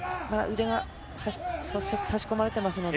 腕が差し込まれていますので。